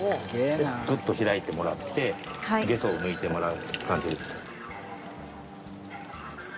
ぷっと開いてもらってゲソを抜いてもらう感じです。